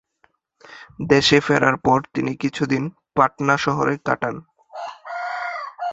দেশে ফেরার পর কিছু দিন তিনি পাটনা শহরে কাটান।